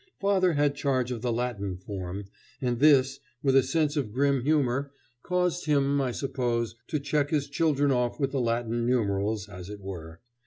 Father had charge of the Latin form, and this, with a sense of grim humor, caused him, I suppose, to check his children off with the Latin numerals, as it were.